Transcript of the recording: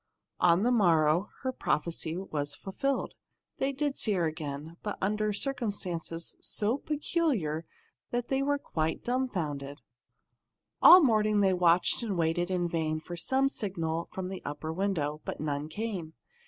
On the morrow her prophecy was fulfilled. They did see her again, but under circumstances so peculiar that they were quite dumfounded. All the morning they watched and waited in vain for some signal from the upper window. But none came.